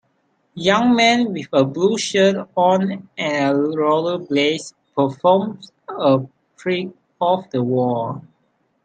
Young man with a blue shirt on and rollerblades performs a trick off the wall.